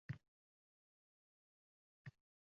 Sodir bo’ldi xiyonat.